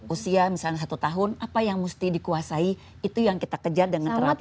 usia misalnya satu tahun apa yang mesti dikuasai itu yang kita kejar dengan terapi